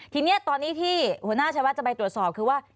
ทีนี้ตอนนี้ที่หัวหน้าชัยวัดจะไปตรวจสอบคือว่า